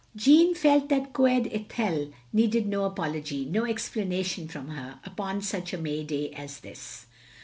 Jeanne felt that Coed Ithel needed no apology — ^no explanation from her, upon such a May day as this.